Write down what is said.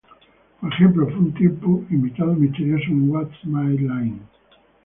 Por ejemplo, fue un tiempo invitado misterioso de "What's My Line?